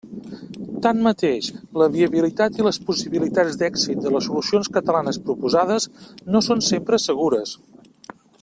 Tanmateix la viabilitat i les possibilitats d'èxit de les solucions catalanes proposades no són sempre segures.